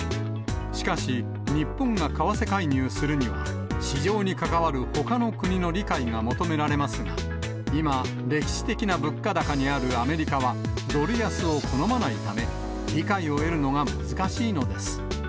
しかし、日本が為替介入するには、市場に関わるほかの国の理解が求められますが、今、歴史的な物価高にあるアメリカは、ドル安を好まないため、理解を得るのが難しいのです。